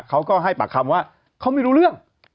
เขาก็ให้ปากคำว่าเขาไม่รู้เรื่อง